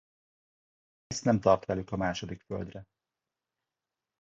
Dice nem tart velük a Második Földre.